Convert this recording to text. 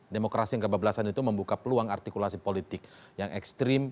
demokrasi yang kebablasan itu membuka peluang artikulasi politik yang ekstrim